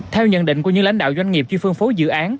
theo nhận định của những lãnh đạo doanh nghiệp chuyên phương phố dự án